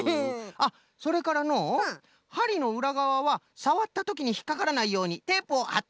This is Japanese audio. あっそれからのうはりのうらがわはさわったときにひっかからないようにテープをはっておくとよいぞ。